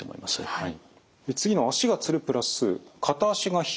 はい。